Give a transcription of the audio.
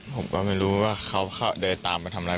ผมก็ไม่รู้ว่าเขาเดินตามไปทำอะไร